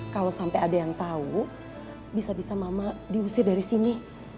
kalau sampai ada yang tahu bisa bisa mama diusir dari sini